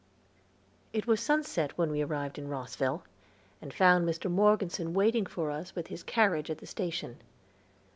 It was sunset when we arrived in Rosville, and found Mr. Morgeson waiting for us with his carriage at the station.